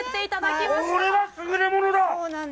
これは、すぐれものだ！